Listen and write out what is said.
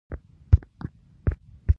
د چین فابریکې شپه او ورځ کار کوي.